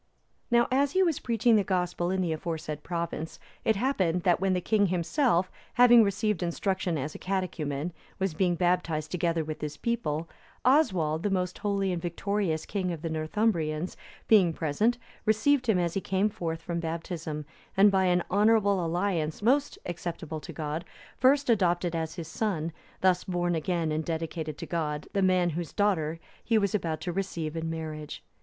Now, as he was spreading the Gospel in the aforesaid province, it happened that when the king himself, having received instruction as a catechumen, was being baptized together with his people, Oswald, the most holy and victorious king of the Northumbrians, being present, received him as he came forth from baptism, and by an honourable alliance most acceptable to God, first adopted as his son, thus born again and dedicated to God, the man whose daughter(320) he was about to receive in marriage.